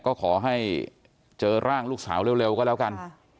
ก็ขอให้เจอร่างลูกสาวเร็วก็แล้วกัน